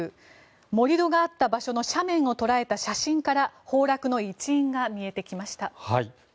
盛り土があった斜面を捉えた写真から崩落の一因が見えてきました。